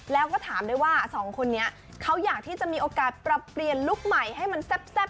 แล้วก็ถามด้วยว่าสองคนนี้เขาอยากที่จะมีโอกาสปรับเปลี่ยนลุคใหม่ให้มันแซ่บ